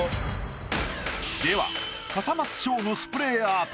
では笠松将のスプレーアート